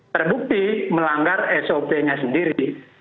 terbukti melanggar sop nya sendiri